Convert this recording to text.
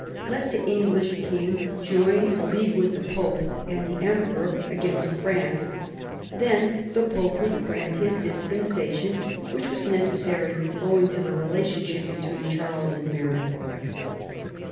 Let the English king join a league with the Pope and the Emperor against France ; then the Pope would grant his dispensation, which was necessary, owing to the relationship between Charles and Mary.